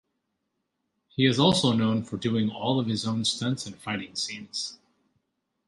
He is also known for doing all of his own stunts and fighting scenes.